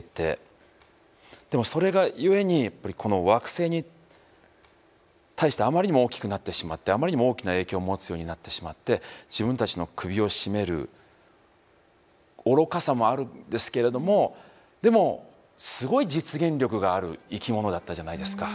でもそれがゆえにこの惑星に対してあまりにも大きくなってしまってあまりにも大きな影響を持つようになってしまって自分たちの首を絞める愚かさもあるんですけれどもでもすごい実現力がある生き物だったじゃないですか。